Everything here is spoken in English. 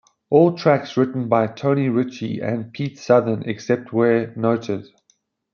All tracks written by Tony Ritchie and Pete Southern, except where noted.